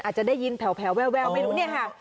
อาจจะได้ยินแผลวแววไม่รู้เนี่ยค่ะ